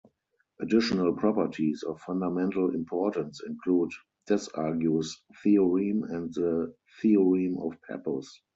Additional properties of fundamental importance include Desargues' Theorem and the Theorem of Pappus.